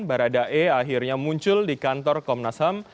barada e akhirnya muncul di kantor komnas ham